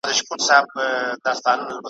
او د کلي اوسېدونکي یې `